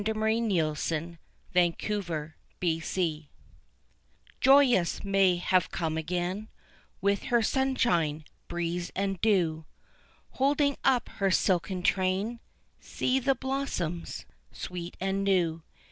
With Her Sunshine, Breeze and Dew Joyous May has come again With her sunshine, breeze and dew, Holding up her silken train, See the blossoms, sweet and new.